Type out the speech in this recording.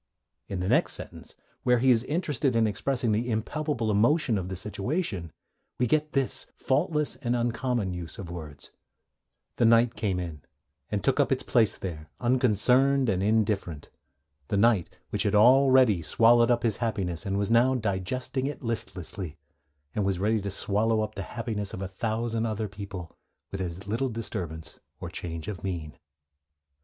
In the next sentence, where he is interested in expressing the impalpable emotion of the situation, we get this faultless and uncommon use of words: 'The night came in, and took up its place there, unconcerned and indifferent; the night which had already swallowed up his happiness, and was now digesting it listlessly; and was ready to swallow up the happiness of a thousand other people with as little disturbance or change of mien.'